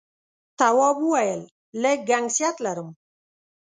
تواب وويل: لږ گنگسیت لرم.